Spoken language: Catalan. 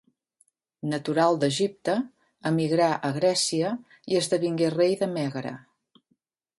Natural d'Egipte, emigrà a Grècia i esdevingué rei de Mègara.